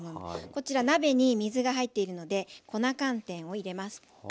こちら鍋に水が入っているので粉寒天を入れます。